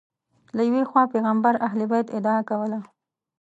له یوې خوا پیغمبر اهل بیت ادعا کوله